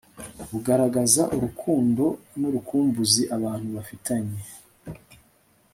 bugaragaza urukundo nurukumbuzi abantu bafitanye